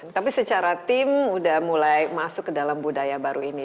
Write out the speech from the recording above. tapi secara tim udah mulai masuk ke dalam budaya baru ini